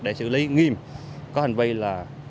để xử lý nghiêm có hành vi là